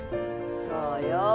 そうよ